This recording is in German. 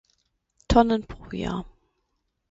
Tonnen pro Jahr.